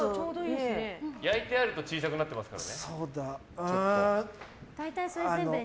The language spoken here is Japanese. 焼いてると小さくなってますからね。